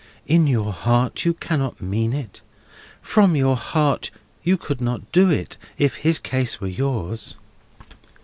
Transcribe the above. In your heart you cannot mean it. From your heart you could not do it, if his case were yours."